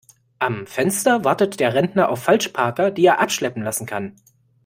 Am Fenster wartet der Rentner auf Falschparker, die er abschleppen lassen kann.